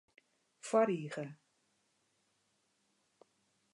Foarige.